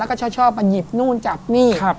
แล้วก็ชอบมาหยิบนู่นจับนี่